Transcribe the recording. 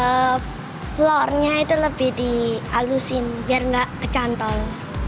apa ya floor nya itu lebih di alusin biar nggak kecantol